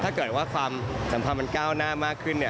ถ้าเกิดว่าความสัมพันธ์มันก้าวหน้ามากขึ้น